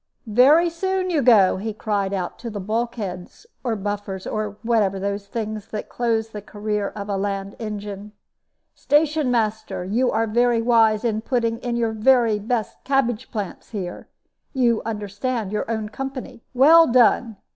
"Very soon you go," he cried out to the bulkheads, or buffers, or whatever are the things that close the career of a land engine. "Station master, you are very wise in putting in your very best cabbage plants there. You understand your own company. Well done!